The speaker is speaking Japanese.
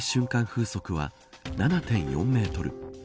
風速は７．４メートル